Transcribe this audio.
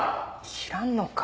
知らんのか？